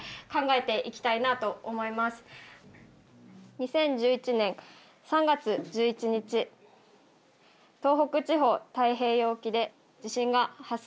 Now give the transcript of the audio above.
２０１１年３月１１日東北地方太平洋沖で地震が発生しました。